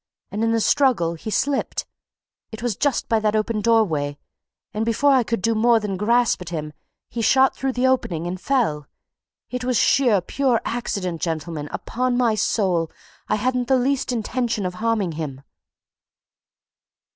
And in the struggle he slipped it was just by that open doorway and before I could do more than grasp at him, he shot through the opening and fell! It was sheer, pure accident, gentlemen! Upon my soul, I hadn't the least intention of harming him."